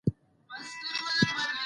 بيا دا پوره نظام پر نارينه ذهنيت څرخي.